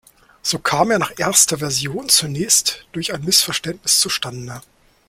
So kam er nach erster Version zunächst durch ein Missverständnis zustande.